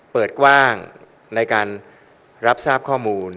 เปิดกว้างในการรับทราบข้อมูล